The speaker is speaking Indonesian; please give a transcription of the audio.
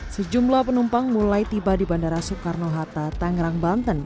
sejumlah penumpang mulai tiba di bandara soekarno hatta tangerang banten